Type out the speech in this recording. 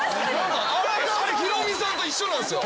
あれヒロミさんと一緒なんすよ。